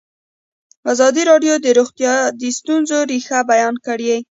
ازادي راډیو د روغتیا د ستونزو رېښه بیان کړې.